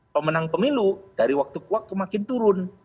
pemenang pemilu dari waktu ke waktu makin turun